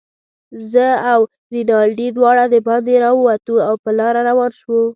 زه او رینالډي دواړه دباندې راووتو، او په لاره روان شوو.